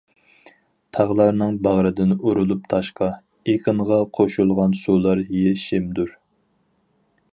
تاغلارنىڭ باغرىدىن ئۇرۇلۇپ تاشقا، ئېقىنغا قوشۇلغان سۇلار يېشىمدۇر.